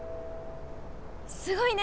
すごいね！